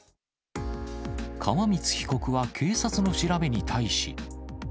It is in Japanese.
川満被告は警察の調べに対し。